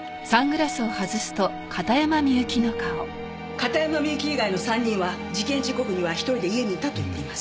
片山みゆき以外の３人は事件時刻には１人で家にいたと言っています。